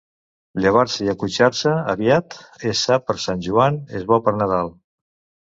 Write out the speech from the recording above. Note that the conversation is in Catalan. Llevar-se i acotxar-se aviat és sa per Sant Joan, és bo per Nadal.